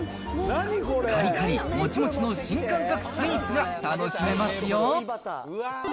かりかりもちもちの新感覚スイーツが楽しめますよ。